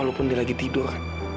walaupun dia lagi tidur